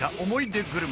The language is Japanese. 思い出グルメ。